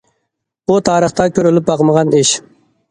بۇ تارىختا كۆرۈلۈپ باقمىغان ئىش.